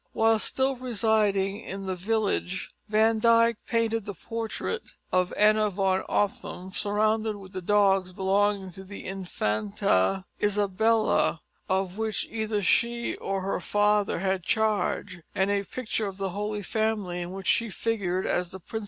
Whilst still residing at the village, Van Dyck painted the portrait of Annah van Ophem, surrounded with the dogs belonging to the Infanta Isabella, of which either she or her father had charge, and a picture of the Holy Family, in which she figured as the principal personage.